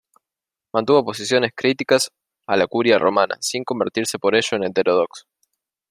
Mantuvo posiciones críticas a la Curia romana, sin convertirse por ello en heterodoxo.